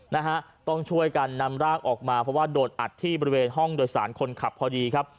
นะฮะต้องช่วยกันนำร่างออกมาเพราะว่าโดนอัดที่บริเวณห้องโดยสารคนขับพอดีครับ